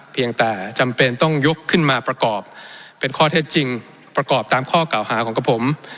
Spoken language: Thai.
เพียงแต่จำเป็นต้องยกขึ้นมาประกอบเป็นข้อเท็จจริงประกอบตามข้อเก่าหาของกับผม